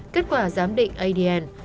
kết quả giám định adn